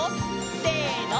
せの！